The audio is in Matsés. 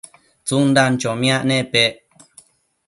tsundan chomiac nepec